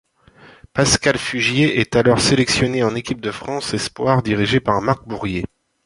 Pascal Fugier est alors sélectionné en équipe de France espoirs dirigée par Marc Bourrier.